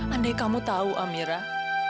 andai kamu tahu amirah